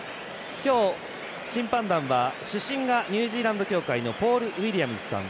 今日、審判団は主審がニュージーランド協会のポール・ウィリアムズさん。